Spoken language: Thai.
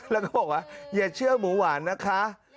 แล้วก็บอกว่าอย่าเชื่อหมูหวานนะคะ